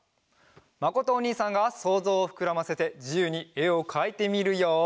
まことおにいさんがそうぞうをふくらませてじゆうにえをかいてみるよ。